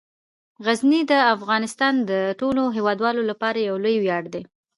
غزني د افغانستان د ټولو هیوادوالو لپاره یو لوی ویاړ دی.